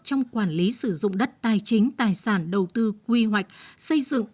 trong quản lý sử dụng đất tài chính tài sản đầu tư quy hoạch xây dựng